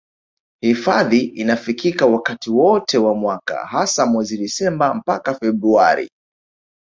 Hifadhi inafikika wakati wote wa mwaka hasa mwezi Disemba mpaka Februari